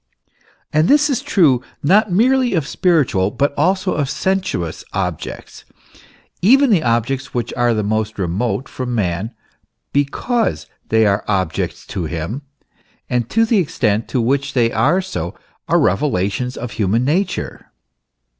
And this is true not merely of spiritual, but also of sensuous objects. Even the objects which are the most remote from man, because they are objects to him, and to the extent to which they are so, are revelations of human nature.